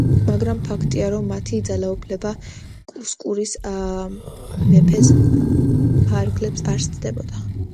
მაგრამ ფაქტია, რომ მათი ძალაუფლება კუსკოს სამეფოს ფარგლებს არ სცილდებოდა.